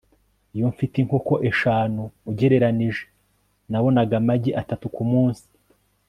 iyo mfite inkoko eshanu, ugereranije nabonaga amagi atatu kumunsi